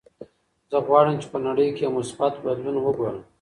زه غواړم چې په نړۍ کې یو مثبت بدلون وګورم.